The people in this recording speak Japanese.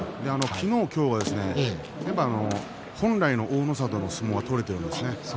昨日、今日は本来の大の里の相撲が取れているんですよね。